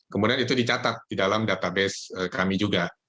kemudian itu dicatat di dalam database kami juga